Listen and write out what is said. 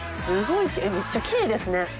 すごいめっちゃきれいですね。